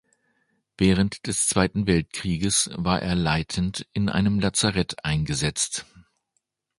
Während des Zweiten Weltkrieges war er leitend in einem Lazarett eingesetzt.